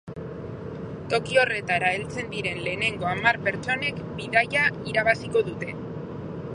Toki horretara heltzen diren lehenengo hamar pertsonek bidaia irabaziko dute.